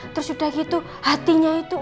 terus sudah gitu hatinya itu